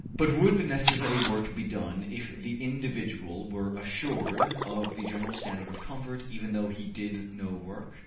But would the necessary work be done if the individual were assured of the general standard of comfort even though he did no work?